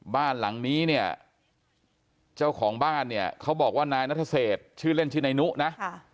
บ้านหลังนี้เนี่ยเจ้าของบ้านเนี่ยเขาบอกว่านายนัทเศษชื่อเล่นชื่อนายนุนะ